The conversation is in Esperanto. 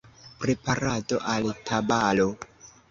Preparado al batalo.